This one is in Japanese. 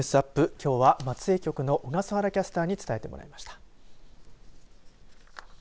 きょうは、松江局の小笠原キャスターに伝えてもらいました。